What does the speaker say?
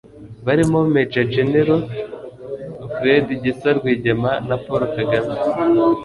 barimo Maj. Gen. Fred Gisa Rwigema na Paul Kagame